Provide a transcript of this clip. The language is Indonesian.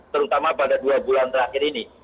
terutama pada dua bulan terakhir ini